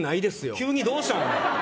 急にどうしたん、お前。